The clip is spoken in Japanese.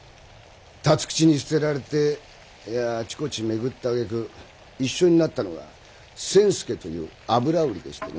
辰吉に捨てられてあちこち巡ったあげく一緒になったのが千助という油売りでしてね。